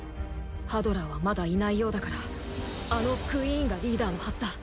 ハドラーはまだいないようだからあのクイーンがリーダーのはずだ。